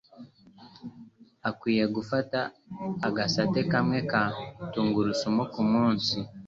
akwiye gufata agasate kamwe ka tungurusumu ku munsi